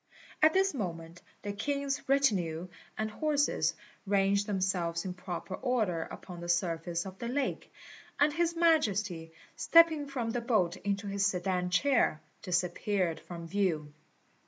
At this moment the king's retinue and horses ranged themselves in proper order upon the surface of the lake; and His Majesty, stepping from the boat into his sedan chair, disappeared from view.